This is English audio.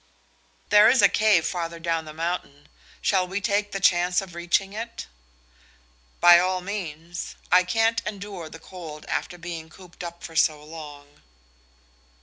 "There is a cave farther down the mountain. Shall we take the chance of reaching it?" "By all means. I can't endure the cold after being cooped up for so long."